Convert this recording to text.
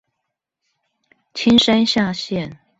青山下線